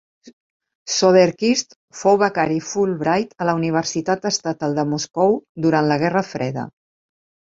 Soderquist fou becari Fulbright a la Universitat Estatal de Moscou durant la guerra freda.